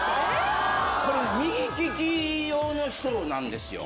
これ、右利き用の人なんですよ。